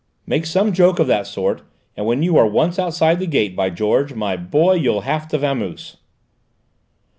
Make some joke of that sort, and when you are once outside the gate, by George, my boy, you'll have to vamoose!"